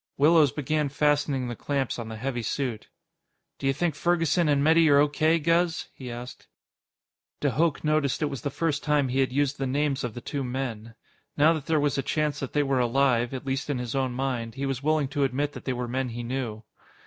Willows began fastening the clamps on the heavy suit. "D'you think Ferguson and Metty are O.K., Guz?" he asked. De Hooch noticed it was the first time he had used the names of the two men. Now that there was a chance that they were alive, at least in his own mind, he was willing to admit that they were men he knew.